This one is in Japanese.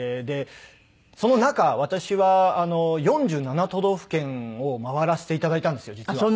でその中私は４７都道府県を回らせて頂いたんですよ実は。